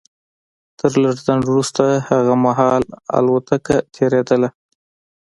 تر لږ ځنډ وروسته هغه مهال الوتکه تېرېدله